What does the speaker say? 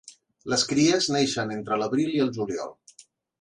Les cries neixen entre l'abril i el juliol.